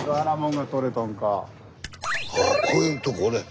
ああこういうとこ俺。